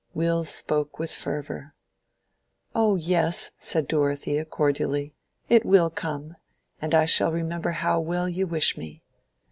Will spoke with fervor. "Oh yes," said Dorothea, cordially. "It will come; and I shall remember how well you wish me.